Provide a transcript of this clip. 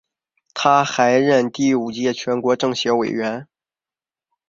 他还任第五届全国政协委员。